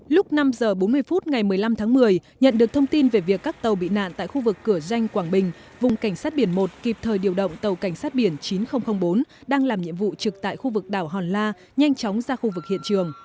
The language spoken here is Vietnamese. lúc năm h bốn mươi phút ngày một mươi năm tháng một mươi nhận được thông tin về việc các tàu bị nạn tại khu vực cửa danh quảng bình vùng cảnh sát biển một kịp thời điều động tàu cảnh sát biển chín nghìn bốn đang làm nhiệm vụ trực tại khu vực đảo hòn la nhanh chóng ra khu vực hiện trường